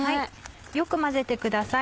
よく混ぜてください。